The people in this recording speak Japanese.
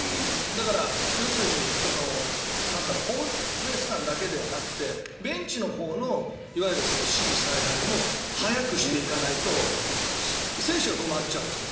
だから、要するにホームベース間だけじゃなくてベンチのほうのいわゆる指示、采配も早くしていかないと選手が困っちゃうという。